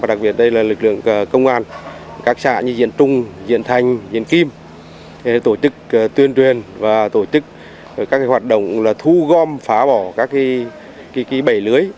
đặc biệt đây là lực lượng công an các xã như diễn trung diễn thanh diễn kim tổ chức tuyên truyền và tổ chức các hoạt động thu gom phá bỏ các bể lưới